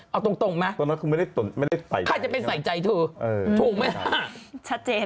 เอาตรงมาใครจะไปใส่ใจเธอถูกมั้ยล่ะ